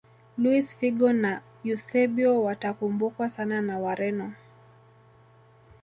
luis figo na eusebio watakumbukwa sana na wareno